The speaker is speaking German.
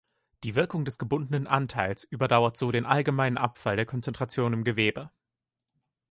Die Wirkung des gebundenen Anteils überdauert so den allgemeinen Abfall der Konzentration im Gewebe.